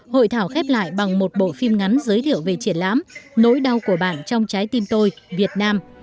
hội thảo khép lại bằng một bộ phim ngắn giới thiệu về triển lãm nỗi đau của bạn trong trái tim tôi việt nam